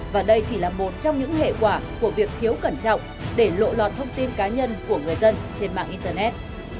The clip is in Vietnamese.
và đây chỉ là một trong những hệ quả của việc thiếu cẩn trọng để lộ lọt thông tin cá nhân của người dân trên mạng internet